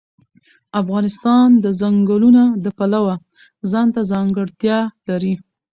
افغانستان د ځنګلونه د پلوه ځانته ځانګړتیا لري.